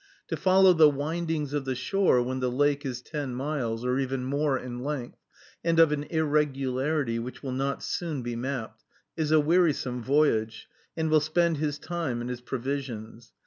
To follow the windings of the shore when the lake is ten miles, or even more, in length, and of an irregularity which will not soon be mapped, is a wearisome voyage, and will spend his time and his provisions.